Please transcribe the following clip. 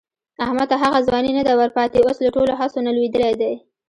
احمد ته هغه ځواني نه ده ورپاتې، اوس له ټولو هڅو نه لوېدلی دی.